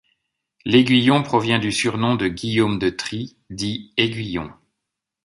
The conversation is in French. L'Éguillon provient du surnom de Guillaume de Trie, dit Aiguillon.